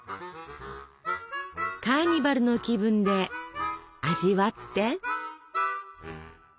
カーニバルの気分で味わって！